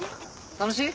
楽しい？